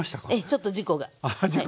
ちょっと事故が。